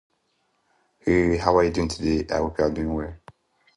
The press itself became an important Sunday meeting-place for Gujarati poets.